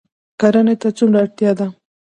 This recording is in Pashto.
کرنې ته څومره اړتیا ده؟